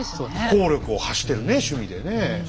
効力を発してるね趣味でね。